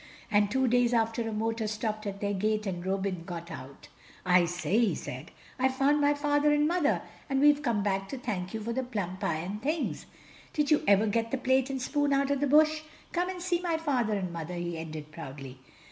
And two days after a motor stopped at their gate and Reuben got out. "I say," he said, "I've found my father and mother, and we've come to thank you for the plum pie and things. Did you ever get the plate and spoon out of the bush? Come and see my father and mother," he ended proudly.